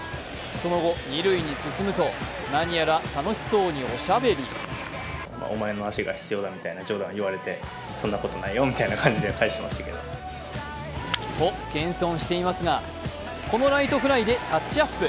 その後、二塁に進むと、何やら楽しそうにおしゃべり。と謙遜していますが、このライトフライでタッチアップ。